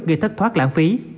gây thất thoát lãng phí